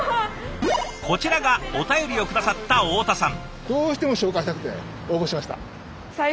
こちらがお便りを下さった大田さん。